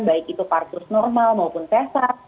baik itu parkur normal maupun pesat